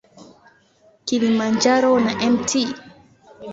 Kilimanjaro na Mt.